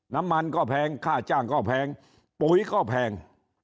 น้ำมันก็แพงค่าจ้างก็แพงปุ๋ยก็แพง